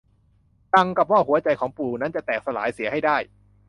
ดังกับว่าหัวใจของปู่นั้นจะแตกสลายเสียให้ได้